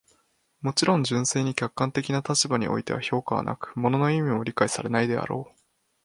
もちろん、純粋に客観的な立場においては評価はなく、物の意味も理解されないであろう。